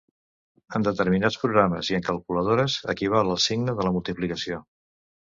En determinats programes i en calculadores equival al signe de la multiplicació.